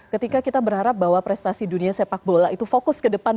ketika kita berharap bahwa prestasi dunia sepak bola itu fokus ke depan